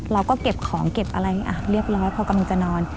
เราก็เก็บของเก็บอะไรอ่ะเรียบร้อยพอกำลังจะนอน